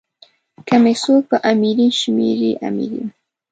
که می څوک په امیری شمېري امیر یم.